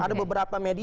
ada beberapa media